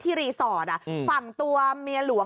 การนอนไม่จำเป็นต้องมีอะไรกัน